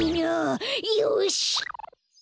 よし！